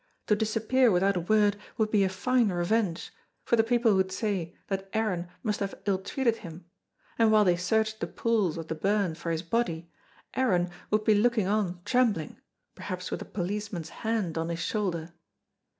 To disappear without a word would be a fine revenge, for the people would say that Aaron must have ill treated him, and while they searched the pools of the burn for his body, Aaron would be looking on trembling, perhaps with a policeman's hand on his shoulder.